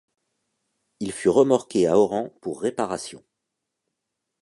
Il fut remorqué à Oran pour réparation.